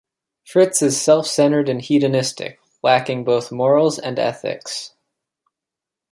Fritz is self-centered and hedonistic, lacking both morals and ethics.